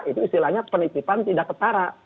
itu istilahnya penitipan tidak ketara